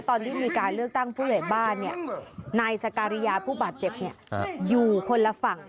ตอนที่มีการเลือกตั้งผู้ใหญ่บ้านนายสการิยาผู้บาดเจ็บอยู่คนละฝั่ง